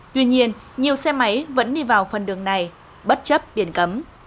tuy nhiên nhiều xe máy vẫn đi vào phần đường này bất chấp biển cấm